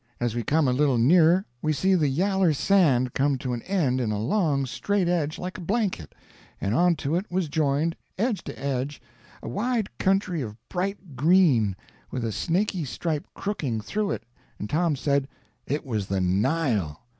As we come a little nearer we see the yaller sand come to an end in a long straight edge like a blanket, and on to it was joined, edge to edge, a wide country of bright green, with a snaky stripe crooking through it, and Tom said it was the Nile.